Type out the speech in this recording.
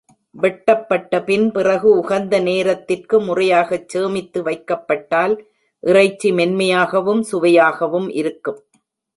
வெட்டப்பட்டபின் பிறகு உகந்த நேரத்திற்கு முறையாகச் சேமித்து வைக்கப்பட்டால், இறைச்சி மென்மையாகவும் சுவையாகவும் இருக்கும்.